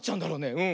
うん。